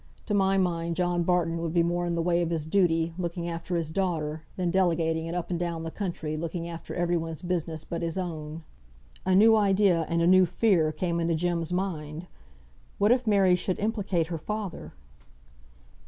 To my mind John Barton would be more in the way of his duty, looking after his daughter, than delegating it up and down the country, looking after every one's business but his own." A new idea and a new fear came into Jem's mind. What if Mary should implicate her father?